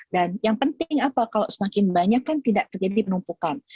dan yang penting apa kalau semakin banyak kan tidak terjadi penumpukan